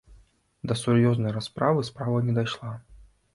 Да сур'ёзнай расправы справа не дайшла.